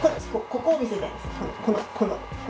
ここを見せたいんです。